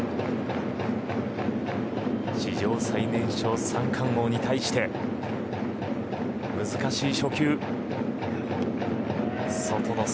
史上最年少三冠王に対して難しい初球。